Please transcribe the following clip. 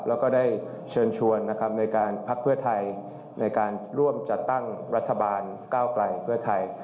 แล้วก็ได้เชิญชวนนะครับในการพักเพื่อไทยในการร่วมจัดตั้งรัฐบาลก้าวไกลเพื่อไทย